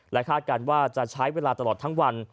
คาดการณ์ว่าจะใช้เวลาตลอดทั้งวัน